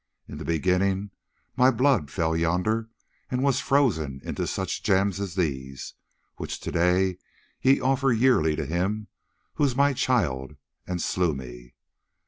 In the beginning my blood fell yonder and was frozen into such gems as these, which to day ye offer yearly to him who is my child, and slew me.